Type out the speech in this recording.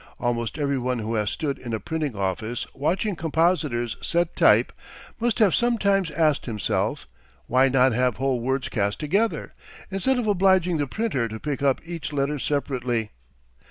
Almost every one who has stood in a printing office watching compositors set type must have sometimes asked himself, why not have whole words cast together, instead of obliging the printer to pick up each letter separately?